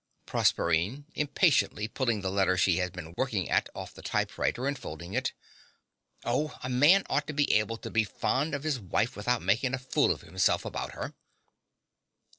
PROSERPINE (impatiently, pulling the letter she has been working at off the typewriter and folding it.) Oh, a man ought to be able to be fond of his wife without making a fool of himself about her.